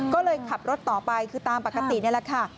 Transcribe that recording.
ก็เลยขับรถต่อไปคือตามปกตินี่แหละค่ะ